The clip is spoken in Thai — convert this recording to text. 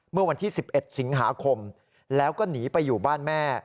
เมื่อวันที่๑๑สิงหาคมแล้วก็หนีไปอยู่บ้านแม่